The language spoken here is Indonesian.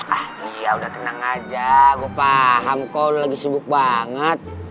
ah iya udah tenang aja gue paham kok lagi sibuk banget